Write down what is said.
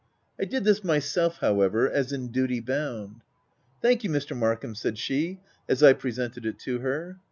I did this myself, however, as in duty bound. "Thank you, Mr. Markham," said she, as I presented it to her.